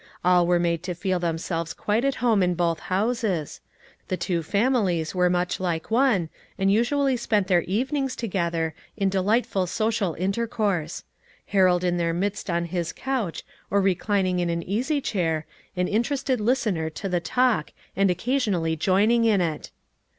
All were made to feel themselves quite at home in both houses; the two families were much like one, and usually spent their evenings together, in delightful social intercourse; Harold in their midst on his couch, or reclining in an easy chair, an interested listener to the talk and occasionally joining in it.